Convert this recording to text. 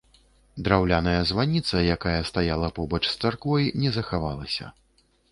Драўляная званіца, якая стаяла побач з царквой, не захавалася.